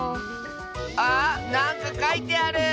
あなんかかいてある！